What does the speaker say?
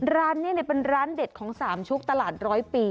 ร้านนี้เป็นร้านเด็ดของสามชุกตลาดร้อยปี